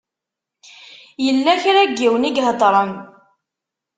Yella kra n yiwen i iheddṛen.